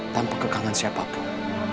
tanpa kekangan siapapun